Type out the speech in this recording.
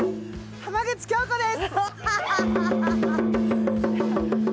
浜口京子です。